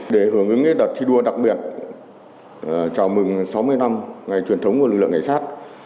để hưởng ứng đợt thi đua đặc biệt chào mừng sáu mươi năm ngày truyền thống của lực lượng cảnh sát